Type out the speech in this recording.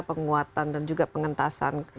penguatan dan juga pengentasan